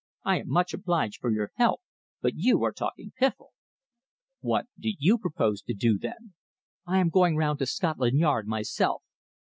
I am much obliged for your help, but you are talking piffle." "What do you propose to do, then?" "I am going round to Scotland Yard myself."